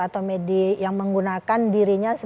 atau yang menggunakan dirinya